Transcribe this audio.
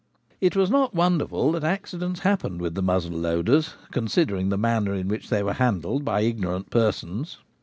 It was not wonderful that accidents happened with the muzzle loaders, considering the manner in which they were handled by ignorant persons.